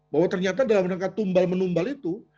bahwa ternyata dalam rangka tumbal menumbal itu